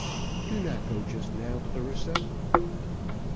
"Do not go just now, Clarissa."